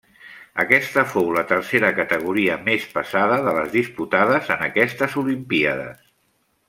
Aquesta fou la tercera categoria més pesada de les disputades en aquestes olimpíades.